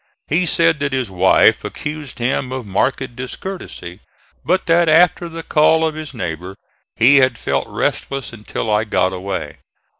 He said that his wife accused him of marked discourtesy, but that, after the call of his neighbor, he had felt restless until I got away.